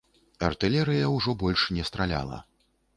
Артылерыя ўжо больш не страляла.